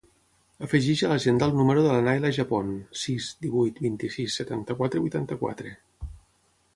Afegeix a l'agenda el número de la Nayla Japon: sis, divuit, vint-i-sis, setanta-quatre, vuitanta-quatre.